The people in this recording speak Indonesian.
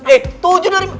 eh tujuh dari